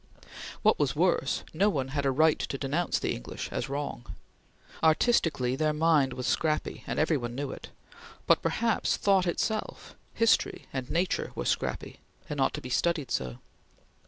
What was worse, no one had a right to denounce the English as wrong. Artistically their mind was scrappy, and every one knew it, but perhaps thought itself, history, and nature, were scrappy, and ought to be studied so.